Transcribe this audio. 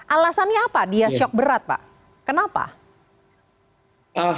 alasannya apa dia shock berat pak kenapa